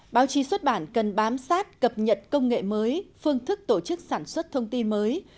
báo chí xuất bản cần bám sát cập nhật công nghệ mới phương thức tổ chức sản xuất thông tin mới